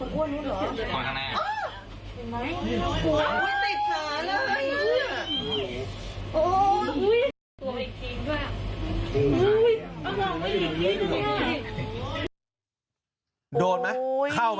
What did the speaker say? คนอ้วนรู้เหรอคนทางแน่อ้าว